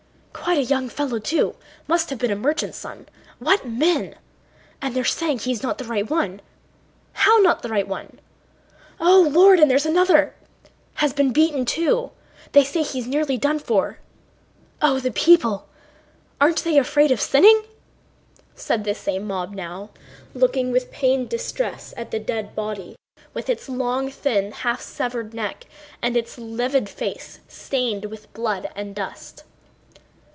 "Quite a young fellow too... must have been a merchant's son. What men!... and they say he's not the right one.... How not the right one?... O Lord! And there's another has been beaten too—they say he's nearly done for.... Oh, the people... Aren't they afraid of sinning?..." said the same mob now, looking with pained distress at the dead body with its long, thin, half severed neck and its livid face stained with blood and dust.